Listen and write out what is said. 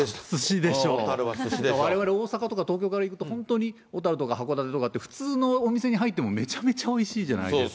われわれ大阪とか東京から行くと、本当に小樽とか函館とかって、普通のお店に入ってもめちゃめちゃおいしいじゃないですか。